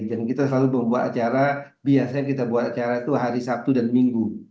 dan kita selalu membuat acara biasanya kita buat acara itu hari sabtu dan minggu